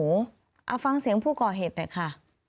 เอาฟังเสียงผู้ก่อเหตุหน่อยค่ะ